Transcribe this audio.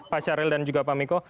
pak syahril dan juga pak miko